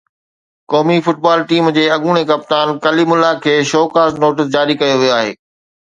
قومي football team جي اڳوڻي ڪپتان ڪليم الله کي شوڪاز نوٽيس جاري ڪيو ويو آهي